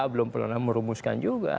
belum pernah merumuskan juga